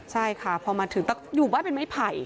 ใช่ค่ะพอมาถึงอยู่บ้านเป็นไม้ไผ่